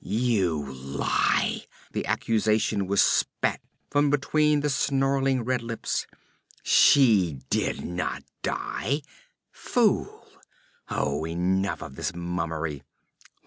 'You lie!' The accusation was spat from between the snarling red lips. 'She did not die! Fool! Oh, enough of this mummery!